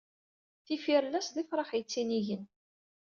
Tifirellas d ifrax yettinigen.